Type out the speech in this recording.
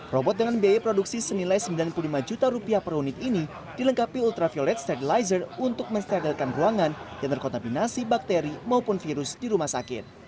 robot dengan biaya produksi senilai sembilan puluh lima juta rupiah per unit ini dilengkapi ultraviolet stadilizer untuk mensterdalkan ruangan yang terkontaminasi bakteri maupun virus di rumah sakit